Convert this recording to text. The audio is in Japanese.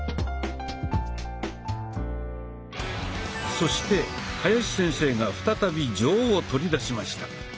そして林先生が再び杖を取り出しました。